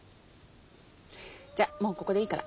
じゃあもうここでいいから。